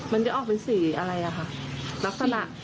มันจะออกเป็นสีอะไรลักษณะ